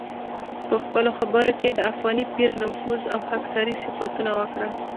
په خپلو خبرو کې یې د افغاني پیر نفوذ او خاکساري صفتونه وکړل.